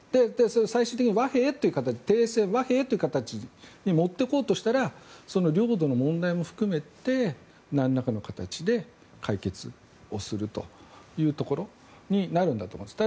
最終的に停戦、和平という形に持っていこうとしたらその領土の問題も含めて何らかの形で解決をするというところになるんだと思います。